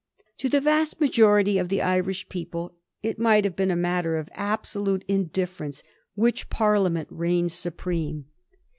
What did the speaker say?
To the vast majority of the Irish people it might have been a matter of absolute indifference which Parliament reigned supreme.